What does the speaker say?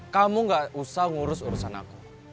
kamu gak usah ngurus urusan aku